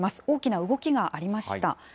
大きな動きがありました。